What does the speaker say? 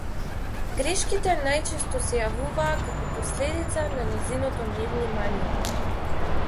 Грешките најчесто се јавуваа како последица на нејзиното невнимание.